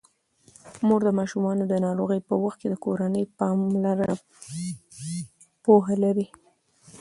مور د ماشومانو د ناروغۍ په وخت د کورني پاملرنې پوهه لري.